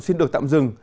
xin được tạm dừng